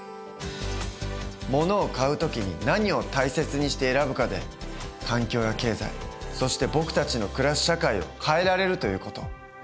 ものを買う時に何を大切にして選ぶかで環境や経済そして僕たちの暮らす社会を変えられるという事。